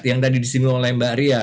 yang tadi disinggung oleh mbak ria